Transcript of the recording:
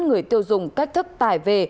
người tiêu dùng cách thức tài về